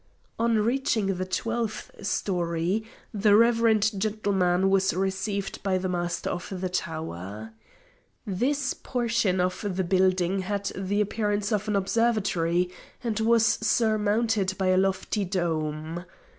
On reaching the twelfth story the reverend gentleman was received by the Master of the tower. This portion of the building had the appearance of an observatory, and was surmounted by a lofty dome.